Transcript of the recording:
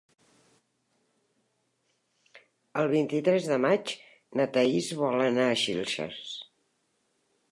El vint-i-tres de maig na Thaís vol anar a Xilxes.